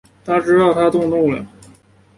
他知道她动怒了